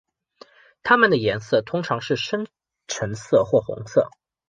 它们的颜色通常是深橙色或红色。